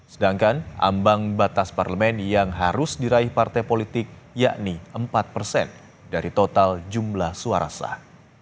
sedangkan ambang batas parlemen yang harus diraih partai politik yakni empat persen dari total jumlah suara sah